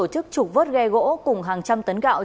thức trục vớt ghe gỗ cùng hàng trăm tấn gạo